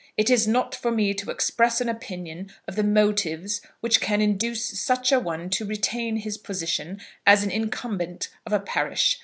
It is not for me to express an opinion of the motives which can induce such a one to retain his position as an incumbent of a parish.